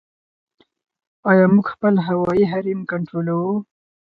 آیا موږ خپل هوایي حریم کنټرولوو؟